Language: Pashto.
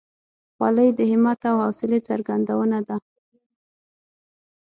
خولۍ د همت او حوصلې څرګندونه ده.